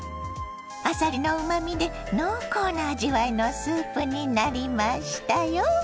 あさりのうまみで濃厚な味わいのスープになりましたよ。